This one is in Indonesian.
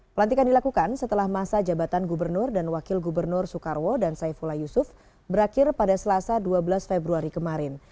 pelantikan dilakukan setelah masa jabatan gubernur dan wakil gubernur soekarwo dan saifullah yusuf berakhir pada selasa dua belas februari kemarin